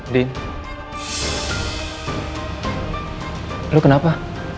adi lo kenapa